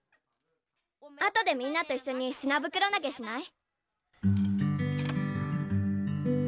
あとでみんなといっしょにすなぶくろなげしない？